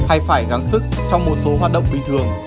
hay phải gắn sức trong một số hoạt động bình thường